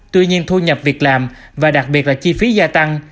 tuy nhiên thu nhập việc làm và đặc biệt là chi phí gia tăng